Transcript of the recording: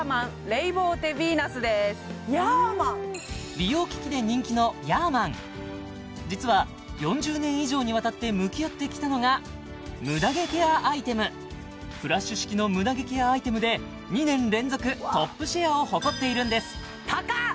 美容機器で人気のヤーマン実は４０年以上にわたって向き合ってきたのがムダ毛ケアアイテムフラッシュ式のムダ毛ケアアイテムで２年連続トップシェアを誇っているんです高っ！